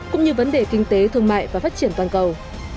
cũng như vấn đề kinh tế thương mại và phát triển toàn cầu